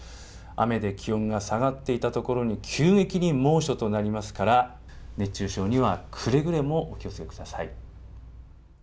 雨で気温が下がっていたところに、急激に猛暑となりますから、熱中症にはくれぐれもお気をつけください。